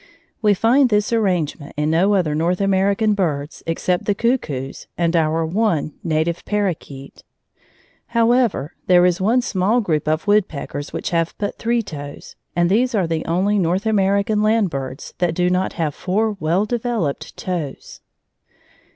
We find this arrangement in no other North American birds except the cuckoos and our one native parroquet. However, there is one small group of woodpeckers which have but three toes, and these are the only North American land birds that do not have four well developed toes.